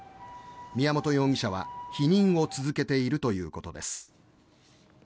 宮本容疑者は否認を続けているということです。